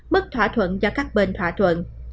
mất thỏa thuận do các bên thỏa thuận